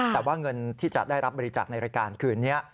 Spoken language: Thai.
แต่ว่าเงินที่จะได้รับบริจาคในรายการคืนนี้